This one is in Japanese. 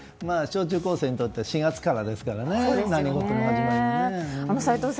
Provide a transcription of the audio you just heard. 小中高生にとっては４月からですからね何事も始まりは。